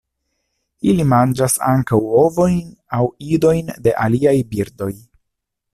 Ili manĝas ankaŭ ovojn aŭ idojn de aliaj birdoj.